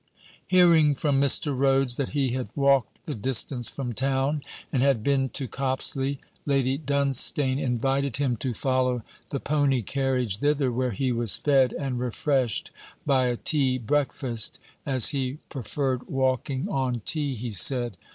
Hearing from Mr. Rhodes that he had walked the distance from town, and had been to Copsley, Lady Dunstane invited him to follow the pony carriage thither, where he was fed and refreshed by a tea breakfast, as he preferred walking on tea, he said.